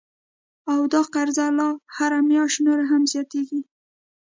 او دا قرضه لا هره میاشت نوره هم زیاتیږي